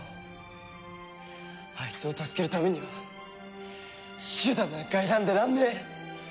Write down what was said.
あいつを助けるためには手段なんか選んでらんねえ。